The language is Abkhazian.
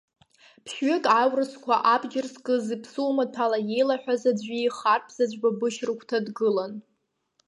Ԥшьҩык аурысқәа абџьар зкызи, ԥсуа маҭәала еилаҳәаз аӡәи, харԥ заҵәы Бабышь рыгәҭа дгылан.